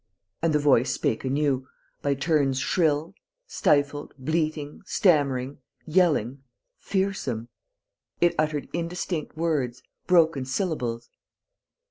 And the voice spake anew, by turns shrill, stifled, bleating, stammering, yelling, fearsome. It uttered indistinct words, broken syllables.